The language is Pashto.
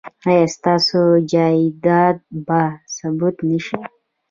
ایا ستاسو جایداد به ثبت نه شي؟